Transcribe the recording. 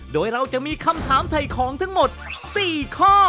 โดยเราจะมีคำถามถ่ายของทั้งหมด๔ข้อ